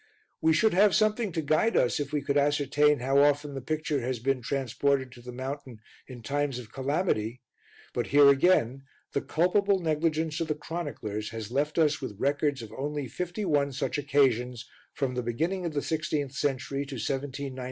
We should have something to guide us if we could ascertain how often the picture has been transported to the mountain in times of calamity, but here again the culpable negligence of the chroniclers has left us with records of only fifty one such occasions from the beginning of the 16th century to 1794, viz.